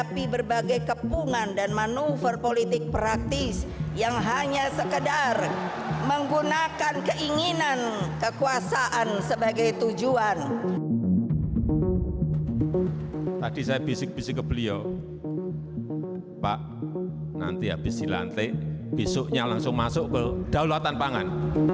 pak nanti habis dilantik besoknya langsung masuk ke daulatan pangan